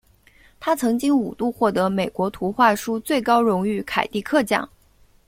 他曾经五度获得美国图画书最高荣誉凯迪克奖。